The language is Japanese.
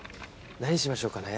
何しましょうかね？